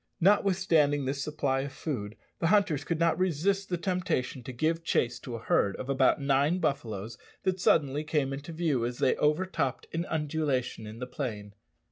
Notwithstanding this supply of food, the hunters could not resist the temptation to give chase to a herd of about nine buffaloes that suddenly came into view as they overtopped an undulation in the plain.